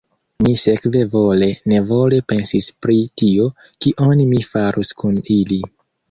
Mi sekve vole-nevole pensis pri tio, kion mi farus kun ili.